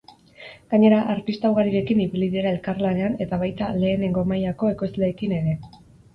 Gainera, artista ugarirekin ibili dira elkarlanean eta baita lehenengo mailako ekoizleekin ere.